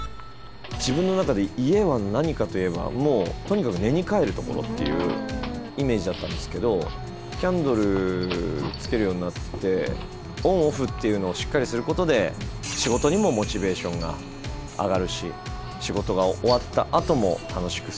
自分の中で家は何かといえばもうとにかく寝に帰るところっていうイメージだったんですけどキャンドルつけるようになってオンオフっていうのをしっかりすることで仕事にもモチベーションが上がるし仕事が終わったあとも楽しく過ごせる